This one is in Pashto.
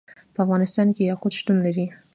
په افغانستان کې یاقوت شتون لري.